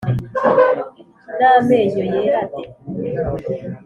N'amenyo yera de